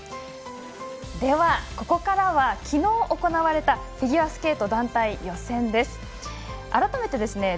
では、ここからはきのう行われたフィギュアスケート団体予選です。